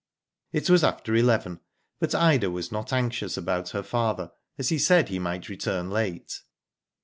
It was after eleven, but Ida was not anxious about her father as he said he might return late.